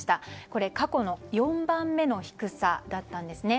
これは過去４番目の低さだったんです。